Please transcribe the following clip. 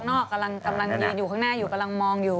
อยู่ข้างหน้ากำลังมอง